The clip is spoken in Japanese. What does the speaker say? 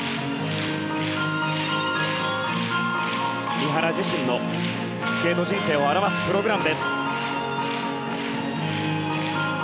三原自身のスケート人生を表すプログラム。